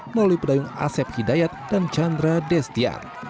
melalui pedayung asep hidayat dan chandra destian